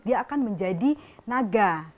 dia akan menjadi naga